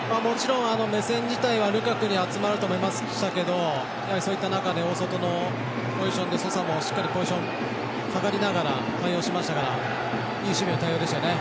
目線自体はルカクに集まると思いましたけどそういった中で大外のポジションでソサも、しっかりポジション下がりながら対応しましたからいい守備の対応でしたよね。